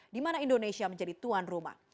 di mana indonesia menjadi tuan rumah